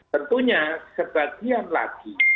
tentunya sebagian lagi